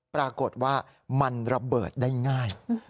ปรากฏว่ามันระเบิดได้ง่าย